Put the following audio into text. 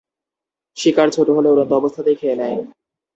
শিকার ছোট হলে উড়ন্ত অবস্থাতেই খেয়ে নেয়।